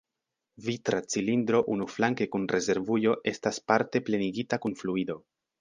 Vitra cilindro unuflanke kun rezervujo estas parte plenigita kun fluido.